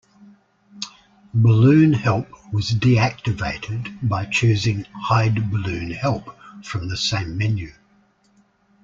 Balloon help was deactivated by choosing Hide Balloon Help from the same menu.